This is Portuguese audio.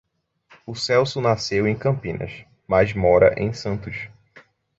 O Celso nasceu em Campinas, mas mora em Santos.